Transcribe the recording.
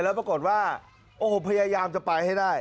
แล้วปรากฏว่าโอ้โหพยายามจะไปให้ได้